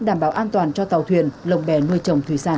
đảm bảo an toàn cho tàu thuyền lồng bè nuôi trồng thủy sản